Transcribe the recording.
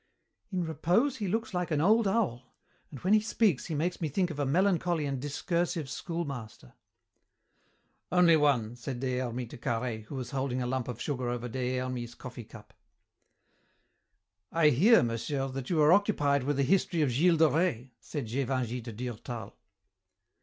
"In repose he looks like an old owl, and when he speaks he makes me think of a melancholy and discursive schoolmaster." "Only one," said Des Hermies to Carhaix, who was holding a lump of sugar over Des Hermies's coffee cup. "I hear, monsieur, that you are occupied with a history of Gilles de Rais," said Gévingey to Durtal.